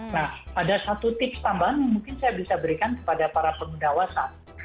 nah ada satu tips tambahan yang mungkin saya bisa berikan kepada para pengguna whatsapp